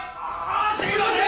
すいません！